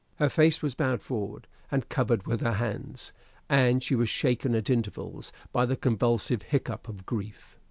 Her face was bowed forward and covered with her hands, and she was shaken at intervals by the convulsive hiccup of grief.